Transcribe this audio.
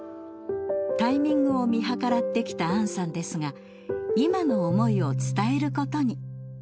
タイミングを見計らってきたアンさんですが今の思いを伝えることに。